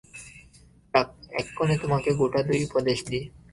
যাক, এক্ষণে তোমাকে গোটা-দুই উপদেশ দিই।